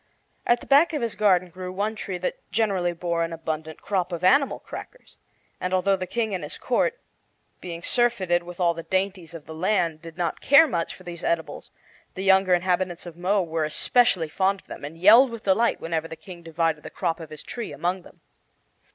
At the back of his garden grew one tree that generally bore an abundant crop of animal crackers, and although the King and his court, being surfeited with all the dainties of the land, did not care much for these edibles, the younger inhabitants of Mo were especially fond of them, and yelled with delight whenever the King divided the crop of his tree among them.